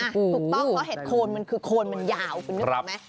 ถูกต้องเพราะเห็ดโคนมันคือโคนมันยาวคุณนึกออกไหม